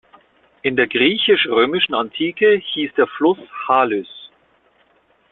In der griechisch-römischen Antike hieß der Fluss "Halys".